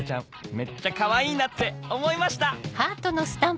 めっちゃ可愛いなって思いました‼」。